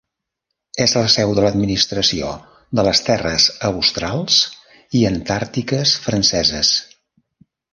És la seu de l'administració de les Terres Australs i Antàrtiques Franceses.